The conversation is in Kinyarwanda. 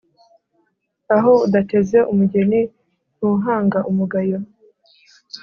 Aho udatezeumugeni ntuhanga umugayo.